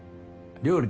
料理で。